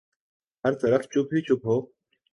ہر طرف چپ ہی چپ ہو۔